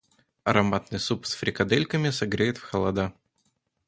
Ароматный суп с фрикадельками согреет в холода.